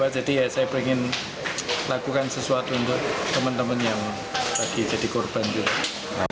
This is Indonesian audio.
jadi ya saya ingin lakukan sesuatu untuk teman teman yang lagi jadi korban juga